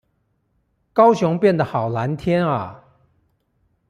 高雄變得好藍天阿